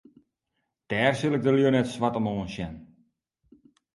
Dêr sil ik de lju net swart om oansjen.